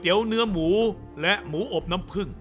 เดี๋ยวเนื้อหมูและหมูอบน้ำผึ้ง